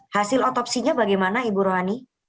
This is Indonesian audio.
hasil otopsinya bagaimana ibu rohani